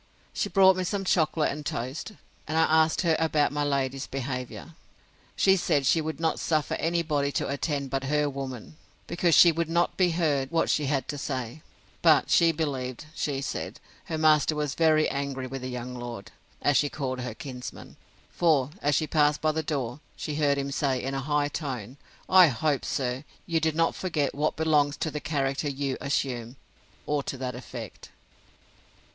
She brought me some chocolate and toast; and I asked her about my lady's behaviour. She said, she would not suffer any body to attend but her woman, because she would not be heard what she had to say; but she believed, she said, her master was very angry with the young lord, as she called her kinsman; for, as she passed by the door, she heard him say, in a high tone, I hope, sir, you did not forget what belongs to the character you assume; or to that effect.